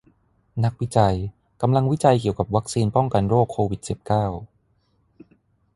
นักวิจัยกำลังวิจัยเกี่ยวกับวัคซีนป้องกันโรคโควิดสิบเก้า